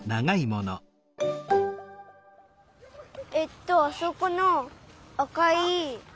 えっとあそこのあかい。